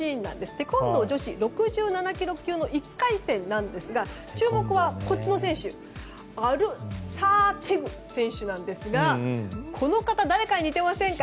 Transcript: テコンドー女子６７ｋｇ級の１回戦なんですが、注目はアルサーディク選手なんですがこの方、誰かに似ていませんか？